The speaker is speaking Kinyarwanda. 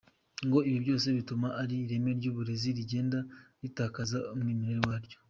Ngo ibi byose bituma iri reme ry’uburezi rigenda ritakaza umwimerere waryo.